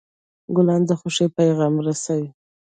ګلان د خوښۍ پیغام رسوي.